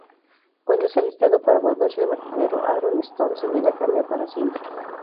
Cuando es alistado para volverse el "verdadero" Aaron Stone, su vida cambia para siempre.